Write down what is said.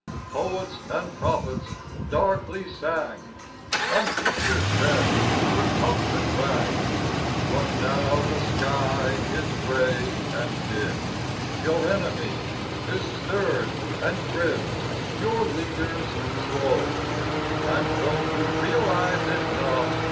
Poets and prophets darkly sang; Unheeded then the tocsin rang; But now the sky is grey and dim, Your enemy is stern and grim, Your leaders slow; And, though you realise it not